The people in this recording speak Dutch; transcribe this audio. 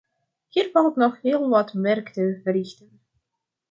Hier valt nog heel wat werk te verrichten.